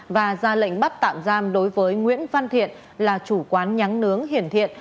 và ra lệnh bắt tạm giam đối với nguyễn văn thiện là chủ quán nhắn nướng hiển thiện